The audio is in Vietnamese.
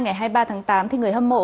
ngày hai mươi ba tháng tám thì người hâm mộ